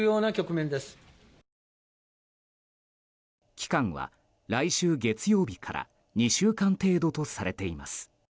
期間は来週月曜日から２週間程度とされています。